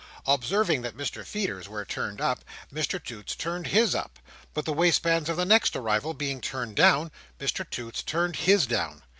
Observing that Mr Feeder's were turned up, Mr Toots turned his up; but the waistbands of the next arrival being turned down, Mr Toots turned his down.